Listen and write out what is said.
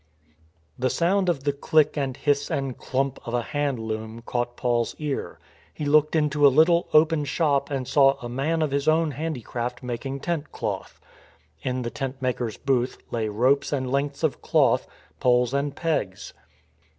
The sound of the click and hiss and " clump " of a hand loom caught Paul's ear. He looked into a little open shop and saw a man of his own handicraft mak ing tent cloth. In the tent maker's booth lay ropes and lengths of cloth, poles and pegs.